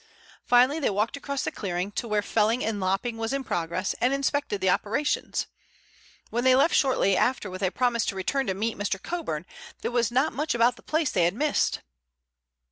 Finally they walked across the clearing to where felling and lopping was in progress, and inspected the operations. When they left shortly after with a promise to return to meet Mr. Coburn, there was not much about the place they had missed.